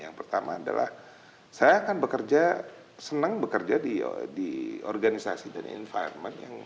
yang pertama adalah saya akan bekerja senang bekerja di organisasi dan environment